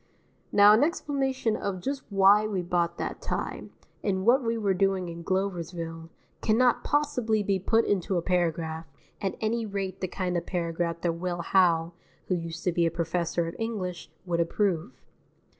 Now an explanation of just why we bought that tie, and what we were doing in Gloversville, cannot possibly be put into a paragraph, at any rate the kind of paragraph that Will Howe (who used to be a professor of English) would approve.